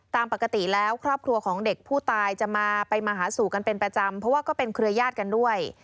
ตามปกติแล้วครอบครัวของเด็กผู้ตายจะมาไปมาหาสู่กันเป็นประจำเพราะว่าก็เป็นเครือญาติกันด้วย